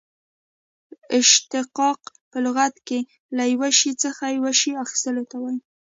اشتقاق په لغت کښي له یوه شي څخه یو شي اخستلو ته وايي.